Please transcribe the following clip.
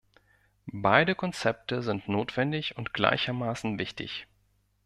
Beide Konzepte sind notwendig und gleichermaßen wichtig.